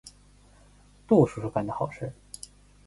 杜叔叔干的好事。